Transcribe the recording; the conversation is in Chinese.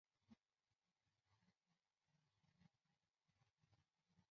为中国最早的以女性为诉求的刊物之一。